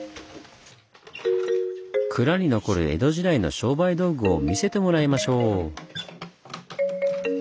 蔵に残る江戸時代の商売道具を見せてもらいましょう！